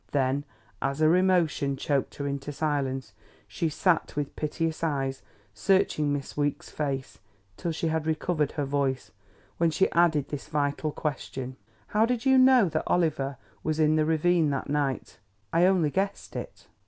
Then, as her emotion choked her into silence, she sat with piteous eyes searching Miss Weeks' face, till she had recovered her voice, when she added this vital question: "How did you know that Oliver was in the ravine that night? I only guessed it."